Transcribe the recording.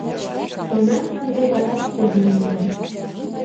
— Шонаш ынде вараш кодын улына.